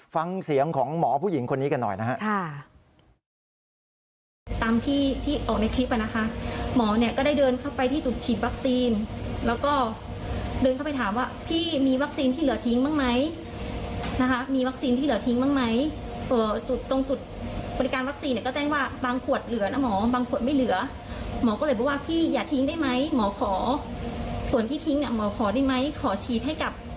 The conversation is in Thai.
ฟังเสียงของหมอผู้หญิงคนนี้กันหน่อยนะฮะ